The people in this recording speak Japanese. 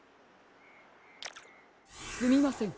すみません。